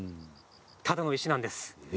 ただの石なんです。